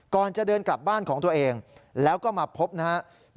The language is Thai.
ก่อนจะเดินกลับบ้านของตัวเองแล้วก็มาพบนะครับ